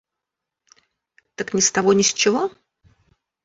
Так ни с того ни с чего?